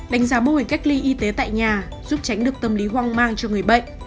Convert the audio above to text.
đánh giá mô hình cách ly y tế tại nhà giúp tránh được tâm lý hoang mang cho người bệnh